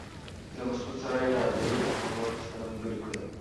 له مسعود سره يې نادري او نور پښتانه ملګري کړل.